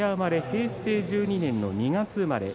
平成１２年の２月生まれ。